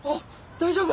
大丈夫？